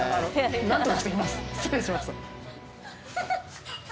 何とかしてきます失礼しました。